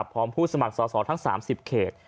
พร้อมผู้สมัครสวทั้ง๓๐เขต